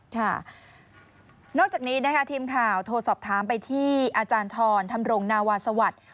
โทรสอบถามไปที่อาจารย์ทรธรนาวาสวัสดิ์